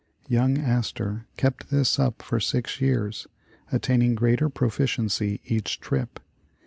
Young Astor kept this up for six years, attaining greater proficiency each trip.